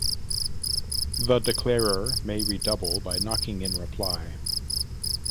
The declarer may redouble by knocking in reply.